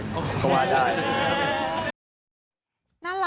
น่ารักจังเลยอ่ะ